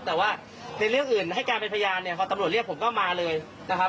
แต่ว่าในเรื่องอื่นให้การเป็นพยานเนี่ยพอตำรวจเรียกผมก็มาเลยนะครับ